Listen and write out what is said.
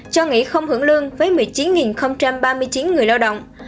cho nghỉ không hưởng lương với một mươi chín ba mươi chín người lao động